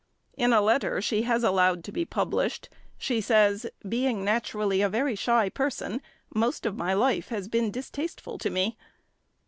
In a letter she has allowed to be published, she says, "Being naturally a very shy person, most of my life has been distasteful to me."